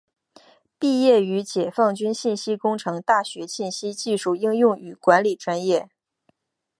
毕业于解放军信息工程大学信息技术应用与管理专业。